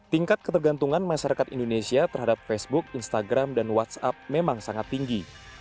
tingkat ketergantungan masyarakat indonesia terhadap facebook instagram dan whatsapp memang sangat tinggi